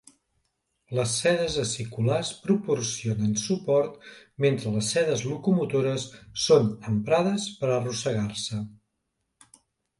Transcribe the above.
Les sedes aciculars proporcionen suport mentre les sedes locomotores són emprades per arrossegar-se.